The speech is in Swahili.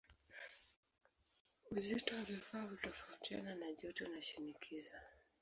Uzito wa vifaa hutofautiana na joto na shinikizo.